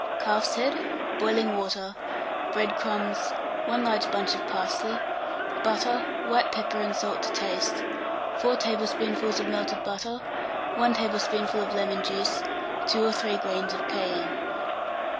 Calf's head, boiling water, bread crumbs, 1 large bunch of parsley, butter, white pepper and salt to taste, 4 tablespoonfuls of melted butter, 1 tablespoonful of lemon juice, 2 or 3 grains of cayenne.